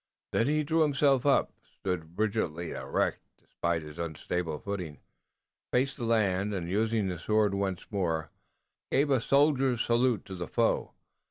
Then he drew himself up, stood rigidly erect, despite his unstable footing, faced the land, and, using the sword once more, gave a soldier's salute to the foe.